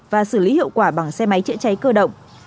và xử lý hiệu quả bằng xe máy chữa cháy cơ động